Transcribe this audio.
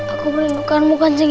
aku melindungi kamu kakak